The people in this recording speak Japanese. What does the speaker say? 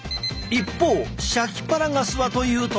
一方シャキパラガスはというと。